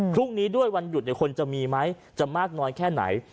พรุ่งนี้ด้วยวันหยุดคนจะมีไหมจะมากน้อยแค่ไหน